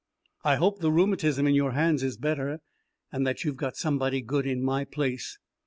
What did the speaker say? I hope the rheumatism in your hands is better, and that you have got somebody good in my place.